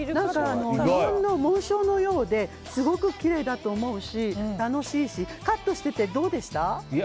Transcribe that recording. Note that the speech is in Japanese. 日本の紋章のようですごくきれいだと思うし楽しいしカットしてて、どうでした？